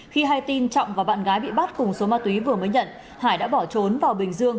khi hai tin trọng và bạn gái bị bắt cùng số ma túy vừa mới nhận hải đã bỏ trốn vào bình dương